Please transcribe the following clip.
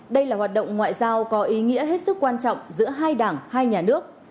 đây là hoạt động ngoại giao có ý nghĩa hết sức quan trọng giữa hai đảng hai nhà nước